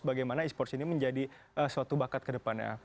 bagaimana esports ini menjadi suatu bakat kedepannya